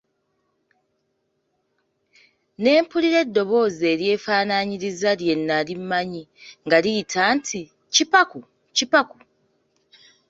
Ne mpulira eddoboozi eryefaanaanyiriza lye nnali mmanyi nga liyita nti, Kipaku, Kipaku?